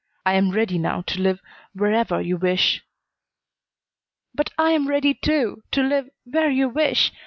I am ready now to live wherever you wish." "But I am ready, too, to live where you wish.